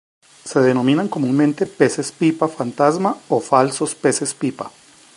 Se denominan comúnmente peces pipa fantasma o falsos peces pipa.